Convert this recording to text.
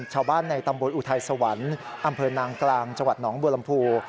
ชาวบ้านในตำบลอุทัยสวรรค์อำเภอนางกลางจังหวัดหนองบัวลำพู